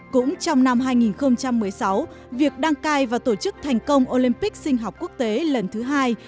cũng trong năm hai nghìn một mươi sáu việc đăng cai và tổ chức thành công olympic sinh học quốc tế lần thứ hai